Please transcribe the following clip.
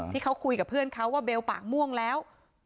ที่เขาคุยกับเพื่อนเขาว่าเบลปากม่วงแล้ว